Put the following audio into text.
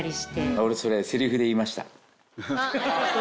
俺それセリフで言いました。